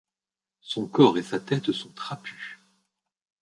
Son corps et sa tête sont trapus.